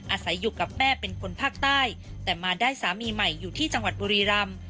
อาศัยอยู่กับแม่เป็นคนภาคใต้แต่มาได้สามีใหม่อยู่ที่จังหวัดบุรีรำ